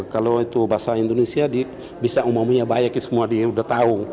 kalau itu bahasa indonesia bisa umumnya baik semua dia udah tahu